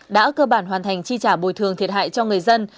đã cơ bản hoàn thành chi trả bồi thường thiệt hại cho người dân